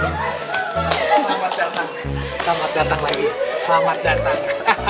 selamat datang selamat datang lagi selamat datang